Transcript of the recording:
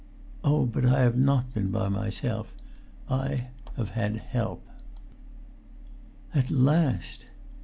"Oh, but I have not been by myself. I have had help." "At last!"